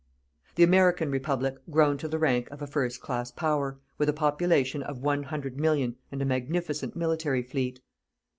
The American Republic grown to the rank of a first class Power, with a population of 100,000,000 and a magnificent military fleet.